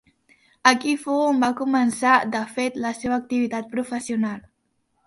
Aquí fou on va començar, de fet, la seva activitat professional.